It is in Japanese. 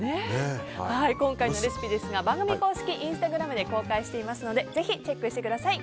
今回のレシピですが番組公式インスタグラムで公開していますのでぜひチェックしてください。